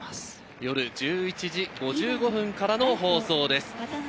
夜１１時５５分からの放送です。